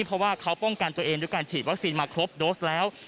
เพราะว่าเขาป้องกันตัวเองด้วยการฉีดวัคซีนมาครบโดสแล้ว